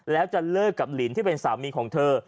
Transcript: แล้วจะเลิกกับหลินที่เป็นสามีของเธอ